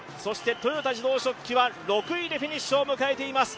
豊田自動織機は６位でフィニッシュを迎えています。